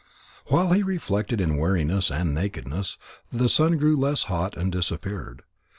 While he reflected in weariness and nakedness, the sun grew less hot and disappeared.